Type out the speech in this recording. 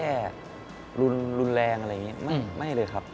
รุนแรงอะไรอย่างนี้ไม่เลยครับ